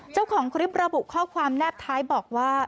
เจ้าของคลิประบุข้อความแนบท้ายบอกว่า